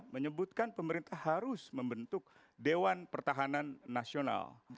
menyebutkan pemerintah harus membentuk dewan pertahanan nasional